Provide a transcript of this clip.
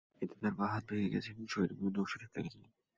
এতে তাঁর বাঁ হাত ভেঙে গেছে এবং শরীরের বিভিন্ন অংশ থেঁতলে গেছে।